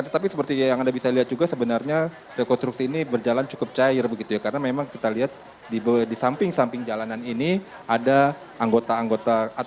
tetapi seperti yang anda bisa lihat juga sebenarnya rekonstruksi ini berjalan cukup cair begitu ya karena memang kita lihat di samping samping jalanan ini ada anggota anggota